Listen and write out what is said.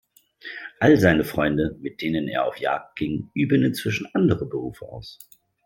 All seine Freunde, mit denen er auf Jagd ging, üben inzwischen andere Berufe aus.